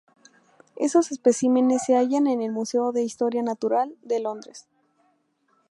Esos especímenes se hallan en el Museo de Historia Natural, de Londres.